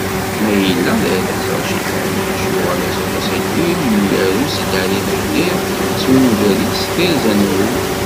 Ma yella d arraz Raccid Ɛallic yuɣal aseggas-agi i umyaru Sidali Lahdir s wungal-is Tirga n wul.